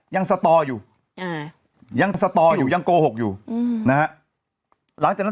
ยังสตออยู่อ่ายังสตออยู่ยังโกหกอยู่อืมนะฮะหลังจากนั้น